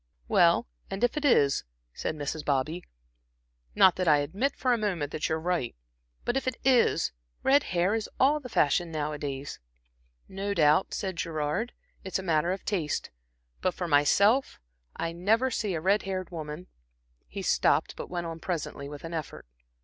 "Well, and if it is," said Mrs. Bobby "not that I admit for a moment that you are right but if it is, red hair is all the fashion nowadays." "No doubt," said Gerard. "It's a matter of taste. But for myself I never see a red haired woman" He stopped, but went on presently with an effort.